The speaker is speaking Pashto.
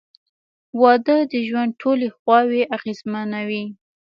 • واده د ژوند ټولې خواوې اغېزمنوي.